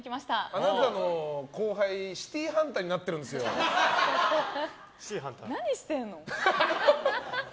あなたの後輩「シティーハンター」に何してんの？